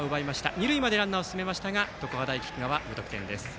二塁までランナーを進めましたが常葉大菊川、無得点です。